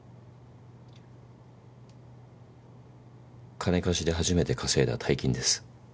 金貸しで初めて稼いだ大金です。